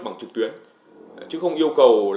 bằng trực tuyến chứ không yêu cầu